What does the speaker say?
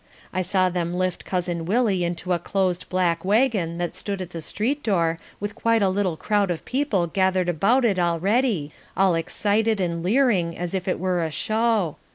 I saw them lift Cousin Willie into a closed black wagon that stood at the street door with quite a little crowd of people gathered about it already, all excited and leering as if it were a show.